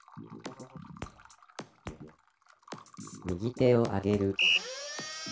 「右手を上げる」ピッ。